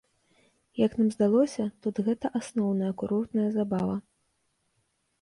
Як нам здалося, тут гэта асноўная курортная забава.